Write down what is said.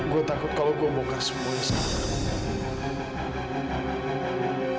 gue takut kalau gue membongkar semuanya sekarang